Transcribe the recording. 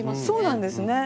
そうなんですね。